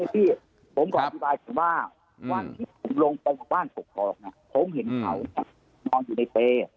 พี่ผมขออธิบายก่อนว่าวันที่ผมลงไปบ้านผมเห็นเขานอนอยู่ในเปรย์